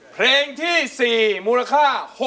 เพลงที่๔มูลค่า